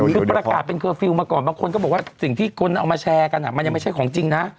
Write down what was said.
คือประกาศเป็นเคอร์ฟิลล์มาก่อนบางคนก็บอกว่าสิ่งที่คนเอามาแชร์กันมันยังไม่ใช่ของจริงนะ